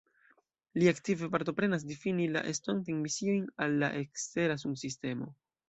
Li aktive partoprenas difini la estontajn misiojn al la ekstera sunsistemo.